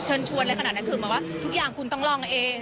เชิญชวนอะไรขนาดนั้นคือเหมือนว่าทุกอย่างคุณต้องลองเอง